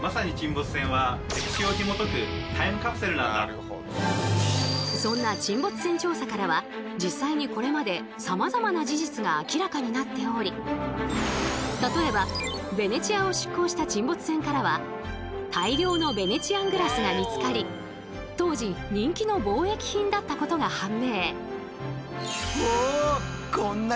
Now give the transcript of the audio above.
しかもそんな沈没船調査からは実際にこれまでさまざまな事実が明らかになっており例えばベネチアを出航した沈没船からは大量のベネチアングラスが見つかり当時人気の貿易品だったことが判明。